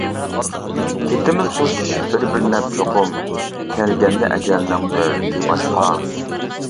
كېتىمىز خوشلىشىپ بىر-بىرلەپ چوقۇم، كەلگەندە ئەجەلنىڭ نۆۋىتى باشقا.